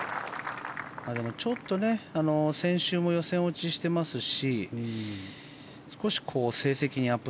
でも先週も予選落ちしていますし少し成績にアップ